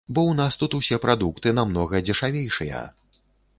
Бо ў нас тут усе прадукты намнога дзешавейшыя.